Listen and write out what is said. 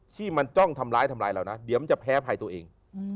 ที่มันจ้องทำร้ายทำร้ายเรานะเดี๋ยวมันจะแพ้ภัยตัวเอง